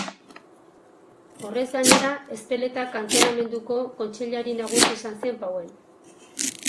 Horrez gainera, Ezpeleta kantonamenduko kontseilari nagusi izan zen Pauen.